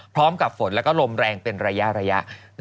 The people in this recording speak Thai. พร้อมกับฝนแล้วก็ลมแรงเป็นระยะ